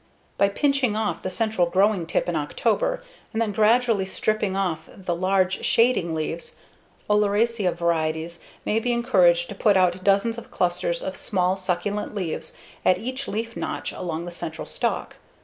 By pinching off the central growing tip in October and then gradually stripping off the large shading leaves, oleracea varieties may be encouraged to put out dozens of clusters of small, succulent leaves at each leaf notch along the central stalk.